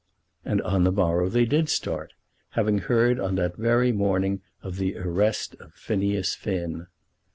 And on the morrow they did start, having heard on that very morning of the arrest of Phineas Finn.